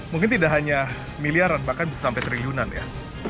mungkin tidak hanya miliaran bahkan bisa sampai triliunan ya